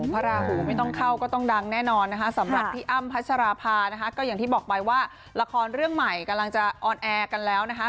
พระราหูไม่ต้องเข้าก็ต้องดังแน่นอนนะคะสำหรับพี่อ้ำพัชราภานะคะก็อย่างที่บอกไปว่าละครเรื่องใหม่กำลังจะออนแอร์กันแล้วนะคะ